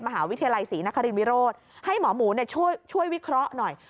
มหาวิทยาลัยศรีนครินวิโรธให้หมอหมูช่วยวิเคราะห์หน่อย